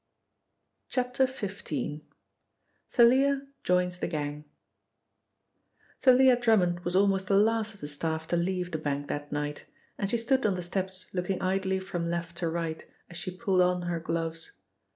XV. — THALIA JOINS THE GANG THALIA DRUMMOND was almost the last of the staff to leave the bank that night, and she stood on the steps looking idly from left to right as she pulled on her gloves.